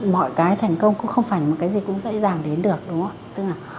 mọi cái thành công cũng không phải một cái gì cũng dễ dàng đến được đúng không